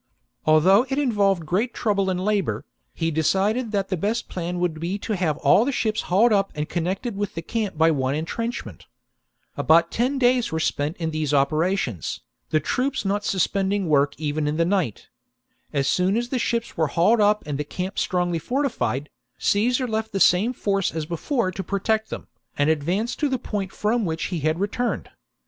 Although it involved great trouble and labour, he decided that the best plan would be to have all the ships hauled up and connected with the camp by one entrenchment About ten days were spent in these operations, the troops not suspend ing work even in the night As soon as the ships were hauled up and the camp strongly fortified, Caesar left the same force as before to protect them, and advanced to the point from which he had returned.